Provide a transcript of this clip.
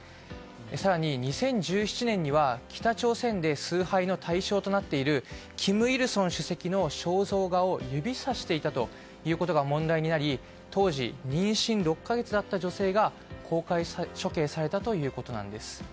更に２０１７年には北朝鮮で崇拝の対象となっている金日成主席の肖像画を指さしていたということが問題になり当時、妊娠６か月だった女性が公開処刑されたということなんです。